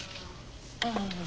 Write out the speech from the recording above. ああ。